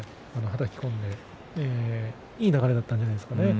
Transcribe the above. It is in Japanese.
はたき込んでいい流れだったと思いますね。